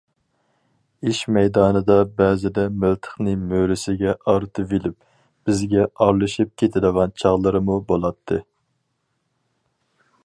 ئىش مەيدانىدا بەزىدە مىلتىقىنى مۈرىسىگە ئارتىۋېلىپ، بىزگە ئارىلىشىپ كېتىدىغان چاغلىرىمۇ بولاتتى.